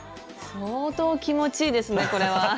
相当気持ちいいですねこれは。